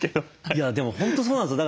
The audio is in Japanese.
いやでも本当そうなんですよ。